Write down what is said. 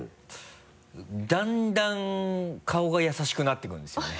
だんだん顔が優しくなっていくんですよね。